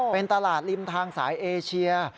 เป็นตลาดริมทางสายเอเชีย